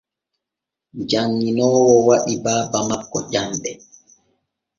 Janŋinoowo waɗi baaba makko ƴanɗe.